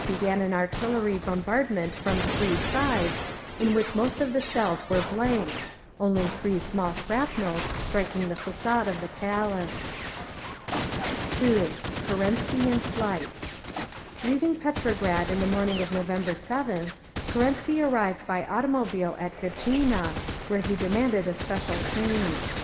began an artillery bombardment from three sides, in which most of the shells were blanks, only three small shrapnels striking the façade of the Palace…. 2. KERENSKY IN FLIGHT Leaving Petrograd in the morning of November 7th, Kerensky arrived by automobile at Gatchina, where he demanded a special train.